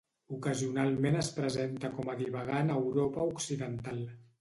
Ocasionalment es presenta com a divagant a Europa occidental.